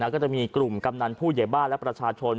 ก็จะมีกลุ่มกำนันผู้ใหญ่บ้านและประชาชน